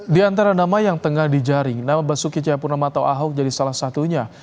di antara nama yang tengah di jaring nama basuki cia purnamato ahok jadi salah satunya